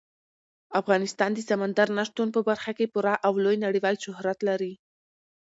افغانستان د سمندر نه شتون په برخه کې پوره او لوی نړیوال شهرت لري.